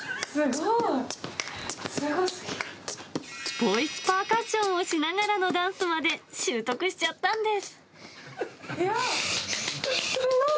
ボイスパーカッションをしながらのダンスまで習得しちゃったすごい！